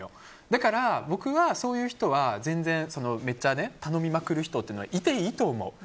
だから、僕はそういう人はめっちゃ頼みまくる人はいていいと思う。